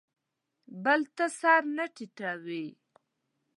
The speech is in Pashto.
بل ته سر نه ټیټوي.